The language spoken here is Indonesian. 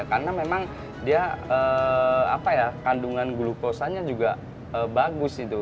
karena memang dia apa ya kandungan glukosanya juga bagus itu